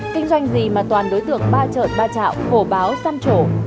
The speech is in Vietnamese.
kinh doanh gì mà toàn đối tượng ba trợt ba trạo khổ báo xăm trổ